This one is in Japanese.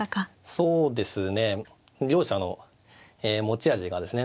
そうですね両者の持ち味がですね